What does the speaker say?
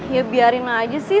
ya biarin aja sih